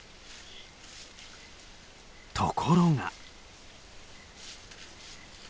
ところが。